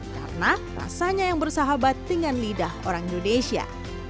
karena rasanya yang bersahabat dengan lidah orang indonesia